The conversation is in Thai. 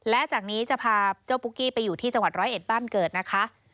และจากนี้จะพาเจ้าปุ๊กกี้ไปอยู่ที่จังหวัดร้อยเอ็ดบ้านเกิดนะคะ